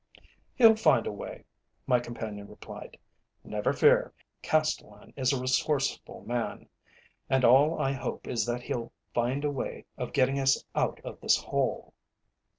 "He'll find a way," my companion replied. "Never fear, Castellan is a resourceful man, and all I hope is that he'll find a way of getting us out of this hole.